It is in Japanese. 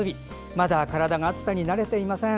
まだ体が暑さに慣れていません。